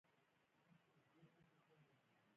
د پښتو ژبې په غزلونو کې دې ته جواز ورکړل شوی.